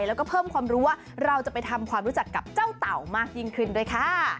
แล้วก็เพิ่มความรู้ว่าเราจะไปทำความรู้จักกับเจ้าเต่ามากยิ่งขึ้นด้วยค่ะ